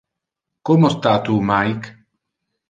Como sta tu, Mike?